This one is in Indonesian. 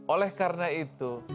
oleh karena itu